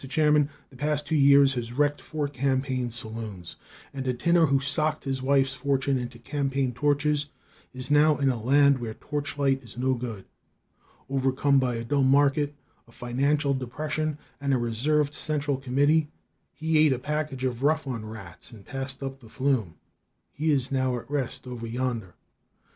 Chairman, the past two years has wrecked four campaign saloons, and a tinner who socked his wife's fortune into campaign torches is now in a land where torchlights is no good. Overcome by a dull market, a financial depression and a reserved central committee, he ate a package of Rough on Rats, and passed up the flume. He is now at rest over yonder.